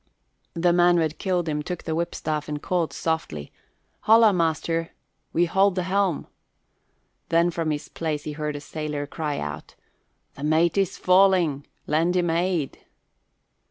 The man who had killed him took the whipstaff and called softly, "Holla, master! We hold the helm!" then from his place he heard a sailor cry out, "The mate is falling! Lend him aid!"